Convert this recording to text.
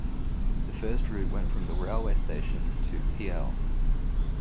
The first route went from the railway station to pl.